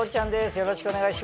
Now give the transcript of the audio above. よろしくお願いします。